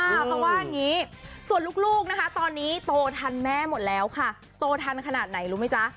เพราะว่าอย่างนี้ส่วนลูกนะคะตอนนี้โตทันแม่หมดแล้วค่ะโตทันขนาดไหนรู้ไหมจ๊ะ